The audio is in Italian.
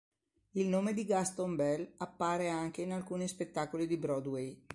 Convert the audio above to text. Il nome di Gaston Bell appare anche in alcuni spettacoli di Broadway.